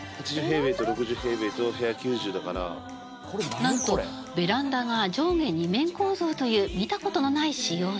なんとベランダが上下２面構造という見た事のない仕様に。